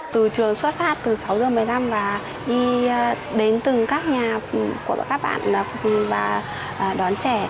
từ trường xuất phát từ sáu giờ một mươi năm và đi đến từng các nhà của các bạn và đón trẻ